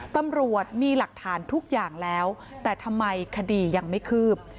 ตำรวจมีหลักฐานทุกอย่างแล้วแต่ทำไมคดียังไม่คืบ